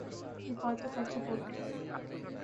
یہ فالتو خرچہ ہو گیا۔